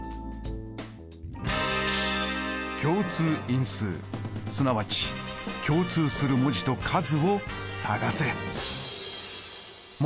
共通因数すなわち共通する文字と数を探せ。